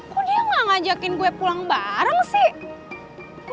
kok dia gak ngajakin gue pulang bareng sih